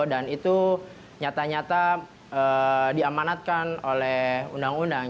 dan itu nyata nyata diamanatkan oleh undang undang